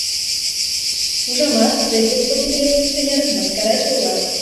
Ужамат, тый господин революционер, мыскараче улат.